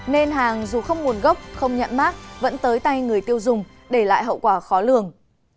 nên hàng dù không nguồn gốc không nhận mát vẫn tới tay người tiêu dùng để lại hậu quả khó lường